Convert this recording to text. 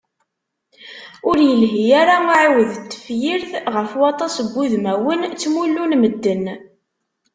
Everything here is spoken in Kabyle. Ur yelhi ara uɛiwed n tefyirt ɣef waṭas n wudmawen, ttmullun medden.